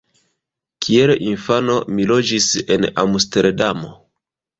Kiel infano mi loĝis en Amsterdamo.